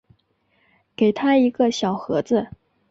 给他一个小盒子